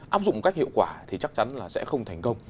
áp dụng một cách hiệu quả thì chắc chắn là sẽ không thành công